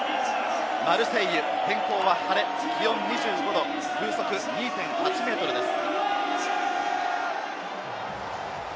マルセイユ、天候は晴れ、気温２５度、風速２．８メートルです。